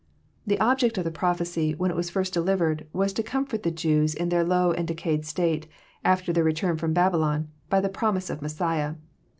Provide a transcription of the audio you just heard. The object of the prophecy, when it was first delivered, was to comfort the Jews in their low and decayed state, after their return from Babylon, by a promise of Messiah.